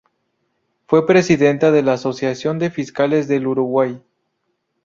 Fue presidenta de la Asociación de Fiscales del Uruguay.